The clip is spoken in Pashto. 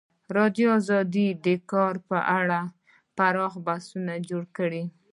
ازادي راډیو د د کار بازار په اړه پراخ بحثونه جوړ کړي.